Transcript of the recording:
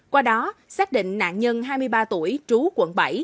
qua đó xác định nạn nhân hai mươi ba tuổi trú quận bảy